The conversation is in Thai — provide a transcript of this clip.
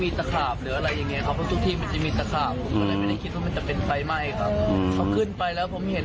มาัก